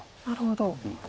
なるほど。